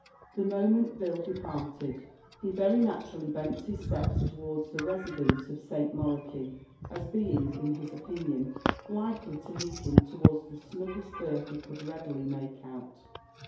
The moment Bill departed, he very naturally bent his steps towards the residence of St. Moroky, as being, in his opinion, likely to lead him towards the snuggest berth he could readily make out.